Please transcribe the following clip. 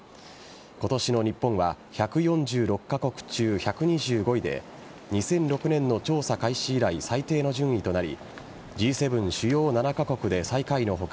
今年の日本は１４６カ国中１２５位で２００６年の調査開始以来最低の順位となりＧ７＝主要７カ国で最下位の他